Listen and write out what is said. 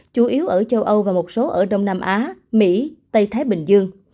chủ yếu ở châu âu và một số ở đông nam á mỹ tây thái bình dương